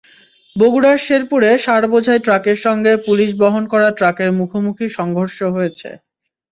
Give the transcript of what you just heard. বগুড়ার শেরপুরে সারবোঝাই ট্রাকের সঙ্গে পুলিশ বহন করা ট্রাকের মুখোমুখি সংঘর্ষ হয়েছে।